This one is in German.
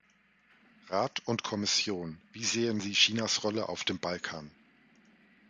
Rat und Kommission, wie sehen Sie Chinas Rolle auf dem Balkan?